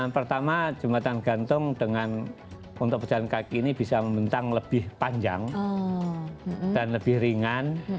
pertama jembatan gantung dengan untuk pejalan kaki ini bisa membentang lebih panjang dan lebih ringan